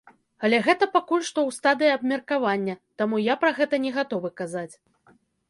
Але гэта пакуль што ў стадыі абмеркавання, таму я пра гэта не гатовы казаць.